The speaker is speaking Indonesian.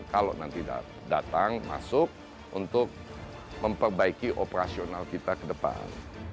kalau nanti datang masuk untuk memperbaiki operasional kita ke depan